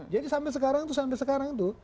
jadi sampai sekarang itu sampai sekarang itu